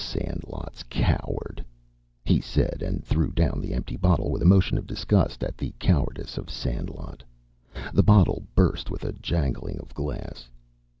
"Sandlot's coward!" he said, and threw down the empty bottle with a motion of disgust at the cowardice of Sandlot. The bottle burst with a jangling of glass.